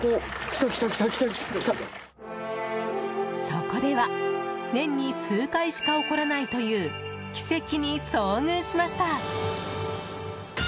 そこでは年に数回しか起こらないという奇跡に遭遇しました。